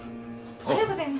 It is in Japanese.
おはようございます。